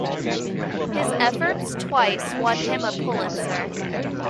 His efforts twice won him a Pulitzer.